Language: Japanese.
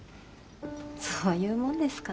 そういうもんですかね。